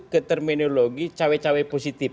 ke terminologi cawai cawai positif